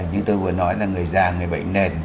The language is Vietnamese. như tôi vừa nói là người già người bệnh nền